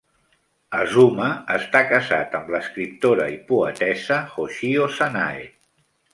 Azuma està casat amb l'escriptora i poetessa Hoshio Sanae.